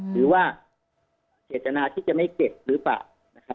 หรือว่าเจตนาที่จะไม่เก็บหรือเปล่านะครับ